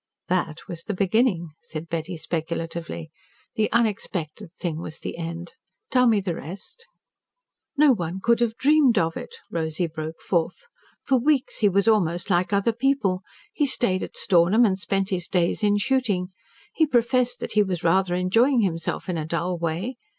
"That was the beginning," said Betty speculatively. "The unexpected thing was the end. Tell me the rest?" "No one could have dreamed of it," Rosy broke forth. "For weeks he was almost like other people. He stayed at Stornham and spent his days in shooting. He professed that he was rather enjoying himself in a dull way.